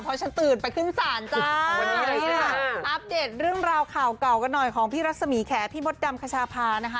เพราะฉันตื่นไปครึ่งสานจ้าอัพเดทเรื่องราวข่าวก่อกันหน่อยของพี่รัสมีแขพี่มดดำคชาพานะคะ